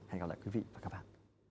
hẹn gặp lại quý vị và các bạn